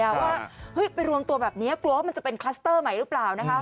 ว่าไปรวมตัวแบบนี้กลัวว่ามันจะเป็นคลัสเตอร์ใหม่หรือเปล่านะคะ